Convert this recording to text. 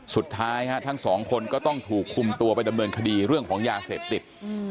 สุดท้ายทั้งสองคนก็ต้องถูกคุมตัวไปดำเนินคดีเรื่องของยาเสพติด